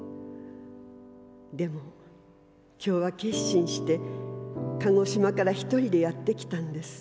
でも今日は決心して鹿児島から一人でやってきたんです。